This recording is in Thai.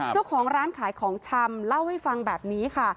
เจ้าของร้านขายของชำเล่าให้ฟังแบบนี้ค่ะ